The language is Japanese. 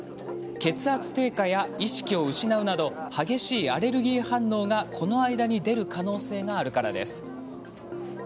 血圧低下や意識を失うなど激しいアレルギー反応がこの間に出る可能性があるからです。